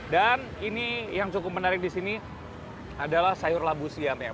dan ini yang cukup menarik di sini adalah sayur labu siam ya